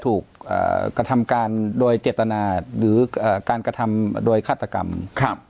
ถูกกระทำการโดยเจตนาหรือการกระทำโดยฆาตกรรมครับ